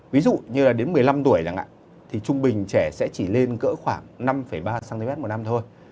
ví dụ như là đến một mươi năm tuổi chẳng hạn thì trung bình trẻ sẽ chỉ lên cỡ khoảng năm ba cm một năm thôi